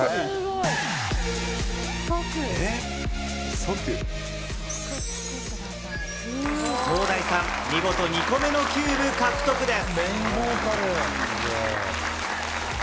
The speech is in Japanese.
ソウダイさん、見事２個目のキューブを獲得です！